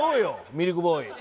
ミルクボーイ。